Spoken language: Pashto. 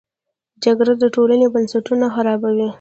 جګړه د ټولنې بنسټونه خرابوي